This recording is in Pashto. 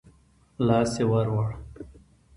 لاس يې ورووړ.